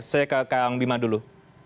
saya ke kang bima dulu